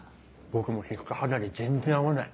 僕も皮膚科肌に全然合わない。